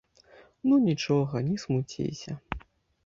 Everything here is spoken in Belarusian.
Ну, нічога, не смуціся.